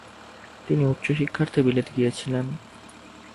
তিনি উচ্চশিক্ষার্থে বিলেত গিয়েছিলেন।